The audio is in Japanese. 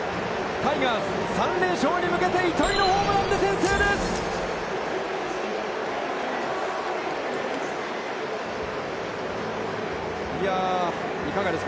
タイガース、３連勝に向けて糸井のホームランで先制です。